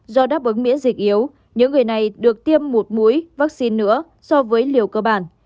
do đáp ứng miễn dịch yếu những người này được tiêm một mũi vaccine nữa so với liều cơ bản